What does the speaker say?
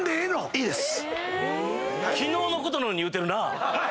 いいです。